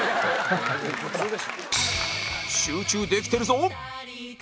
集中できてるぞ！